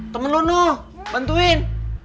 temen lu nu bantuin